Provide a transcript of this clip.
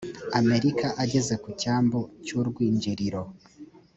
amerika ageze ku cyambu cy urwinjiriro